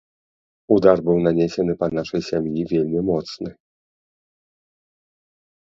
Удар быў нанесены па нашай сям'і вельмі моцны.